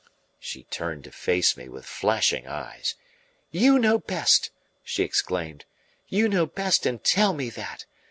She turned to face me with flashing eyes. "You know best!" she exclaimed. "You know best and tell me that!